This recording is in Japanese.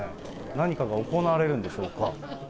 何かが行われるんでしょうか。